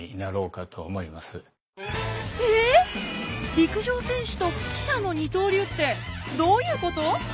陸上選手と記者の二刀流ってどういうこと？